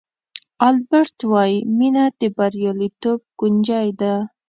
البرټ وایي مینه د بریالیتوب کونجي ده.